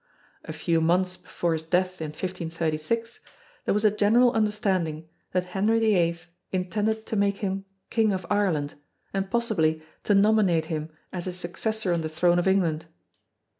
A few months before his death in 1536 there was a general understanding that Henry VIII intended to make him King of Ireland and possibly to nominate him as his successor on the throne of England.